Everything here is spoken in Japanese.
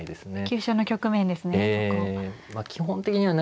急所の局面ですね